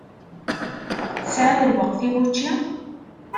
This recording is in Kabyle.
Tesɛiḍ lweqt i wučči?